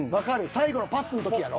最後のパスの時やろ？